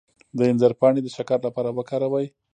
د انځر پاڼې د شکر لپاره وکاروئ